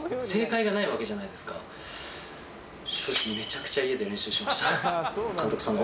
正解がないわけじゃないですか。